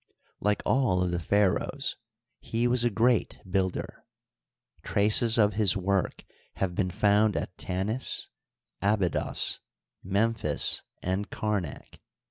Like all the pharaohs, he was a great Duilder. Traces of his work have been found at Tanis, Abydos, Memphis, and Kamak.